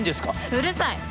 うるさい。